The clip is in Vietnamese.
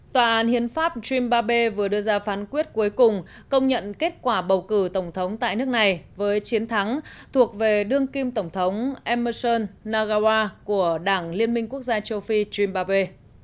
tòa án hiến pháp trimbabwe vừa đưa ra phán quyết cuối cùng công nhận kết quả bầu cử tổng thống tại nước này với chiến thắng thuộc về đương kim tổng thống emerson nagawa của đảng liên minh quốc gia châu phi trimbabwe